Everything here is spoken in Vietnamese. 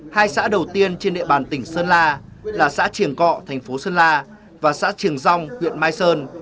hai xã đầu tiên trên địa bàn tỉnh sơn la là xã triềng cọ thành phố sơn la và xã trường rong huyện mai sơn